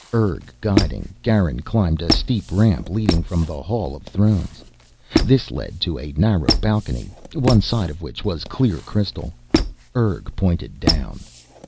Urg guiding, Garin climbed a steep ramp leading from the Hall of Thrones. This led to a narrow balcony, one side of which was clear crystal. Urg pointed down.